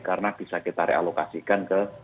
karena bisa kita realokasikan ke